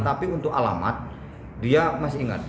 tapi untuk alamat dia masih ingat